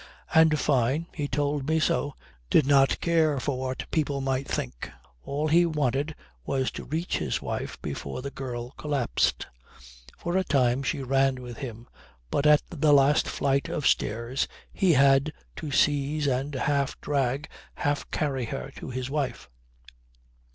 And Fyne (he told me so) did not care for what people might think. All he wanted was to reach his wife before the girl collapsed. For a time she ran with him but at the last flight of stairs he had to seize and half drag, half carry her to his wife.